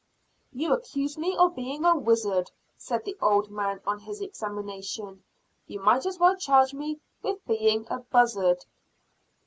"You accuse me of being a wizard," said the old man on his examination; "you might as well charge me with being a buzzard."